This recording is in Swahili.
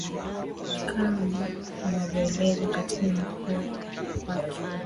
kama anavyoeleza katibu mkuu wake